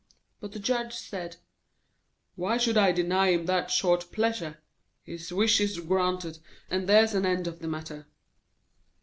But the Judge said: 'Why should I deny him that short pleasure? His wish is granted, and there's an end of the matter!'